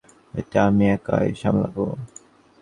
এটা আমি একাই সামলাবো।